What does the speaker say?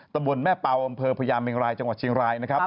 ตะบนแม่เปาอำเภอพญาเมียงรายจังหวัดเชียงราย